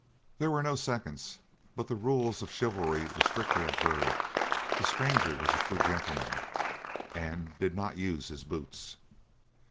There were no seconds, but the rules of chivalry were strictly observed; the stranger was a true gentleman, and did not use his boots.